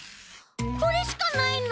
これしかないの？